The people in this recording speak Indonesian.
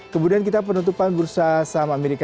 kemudian kita penutupan bursa sameropa